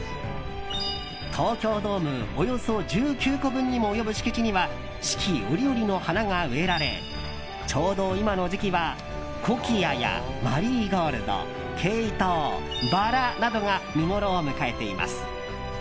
東京ドームおよそ１９個分にも及ぶ敷地には四季折々の花が植えられちょうど今の時期はコキアやマリーゴールドケイトウ、バラなどが見ごろを迎えています。